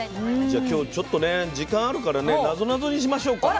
じゃあ今日ちょっとね時間あるからねなぞなぞにしましょうか。